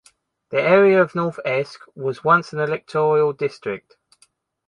The area of North Esk was once an Electoral district.